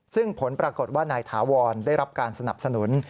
ซึ่งผลปรากฏว่านายถาวรได้รับการสนับสนุน